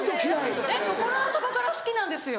えっ心の底から好きなんですよ。